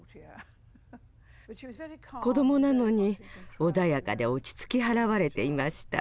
子どもなのに穏やかで落ち着き払われていました。